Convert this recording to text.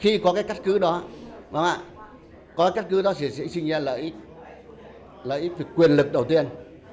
khi có cái cắt cứ đó có cái cắt cứ đó sẽ sinh ra lợi ích lợi ích quyền lực đầu tiên